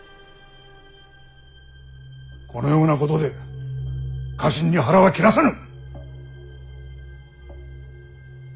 このようなことで家臣に腹は切らせぬ！